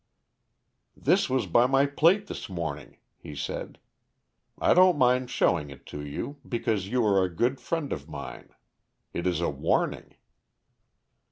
"This was by my plate this morning," he said. "I don't mind showing it to you, because you are a good friend of mine. It is a warning."